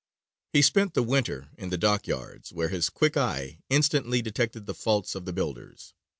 He spent the winter in the dockyards, where his quick eye instantly detected the faults of the builders.